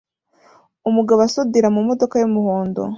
Umugabo asudira mumodoka yumuhondo